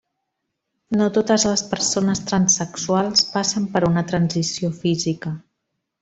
No totes les persones transsexuals passen per una transició física.